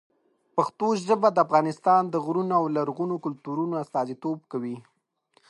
پښتو ژبه د افغانستان د غرونو او لرغونو کلتورونو استازیتوب کوي.